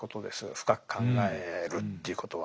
深く考えるということは。